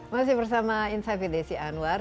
masih bersama insight with desi anwar